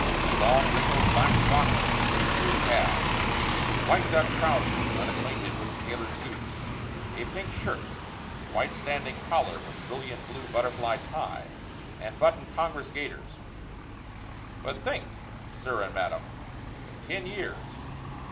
A long, wrinkled black frock coat reached to his calves. White duck trousers, unacquainted with the tailor's goose, a pink shirt, white standing collar with brilliant blue butterfly tie, and buttoned congress gaiters. But think, sir and madam ten years!